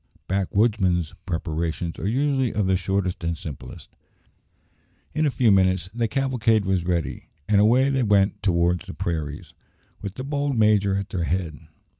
Backwoodsmen's preparations are usually of the shortest and simplest. In a few minutes the cavalcade was ready, and away they went towards the prairies, with the bold major at their head.